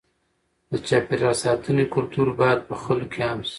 د چاپېریال ساتنې کلتور باید په خلکو کې عام شي.